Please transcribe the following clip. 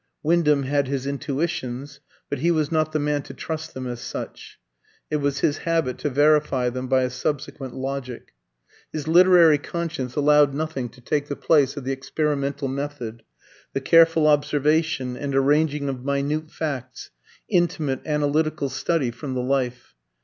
Wyndham had his intuitions, but he was not the man to trust them as such; it was his habit to verify them by a subsequent logic. His literary conscience allowed nothing to take the place of the experimental method, the careful observation, and arranging of minute facts, intimate analytical study from the life.